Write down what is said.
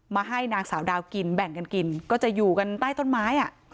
มาให้นางสาวดาวกินแบ่งกันกินก็จะอยู่กันใต้ต้นไม้